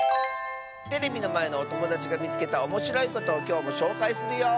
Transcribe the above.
テレビのまえのおともだちがみつけたおもしろいことをきょうもしょうかいするよ！